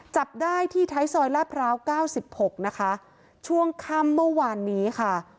จับได้ที่ไทซอยละพร้าว๙๖นะคะช่วงค่ำเมื่อวานนี้ค่ะ